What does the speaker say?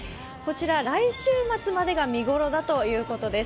来週末までが見頃だということです。